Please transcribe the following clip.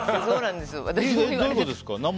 どういうことですか？